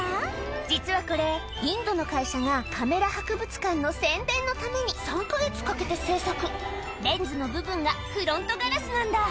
実はこれインドの会社がカメラ博物館の宣伝のために３か月かけて制作レンズの部分がフロントガラスなんだ